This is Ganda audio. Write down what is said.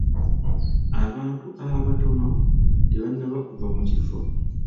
Abantu abatono tebannaba kuva mu kifo.